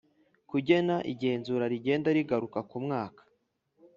Kugena igenzura rigenda rigaruka ku mwaka